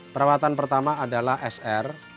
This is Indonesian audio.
perawatan pertama adalah sr